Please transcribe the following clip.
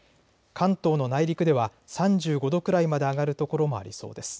関東の内陸では３５度くらいまで上がる所もありそうです。